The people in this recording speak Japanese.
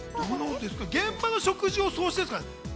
現場の食事をそうしてるんですかね。